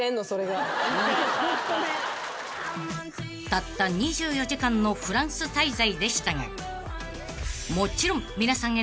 ［たった２４時間のフランス滞在でしたがもちろん］